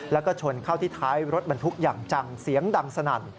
แล้วก็ชนเข้าที่ท้ายรถบรรทุกอย่างจังเสียงดังสนั่น